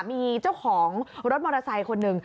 มีเจ้าของรถมอเตอร์ไซค์คนหนึ่ง